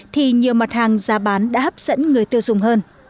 thì nhiều mặt hàng giá bán đã hấp dẫn người tiêu dùng hơn